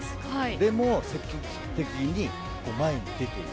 でも積極的に前に出ていく。